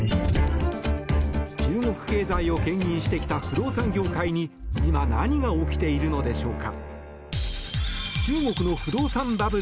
中国経済をけん引してきた不動産業界に今、何が起きているのでしょうか。